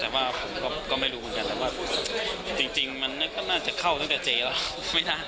แต่ว่าผมก็ไม่รู้เชตกับจริงมันก็น่าจะเข้าถึงแต่เจละ